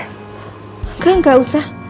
engga engga usah